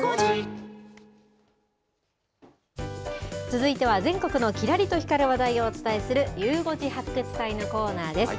続いては、全国のきらりと光る話題をお伝えする、ゆう５時発掘隊のコーナーです。